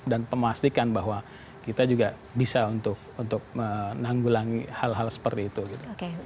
dan memastikan bahwa kita juga bisa untuk untuk menanggulangi hal hal seperti itu gitu